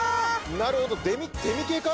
なるほどデミ系か？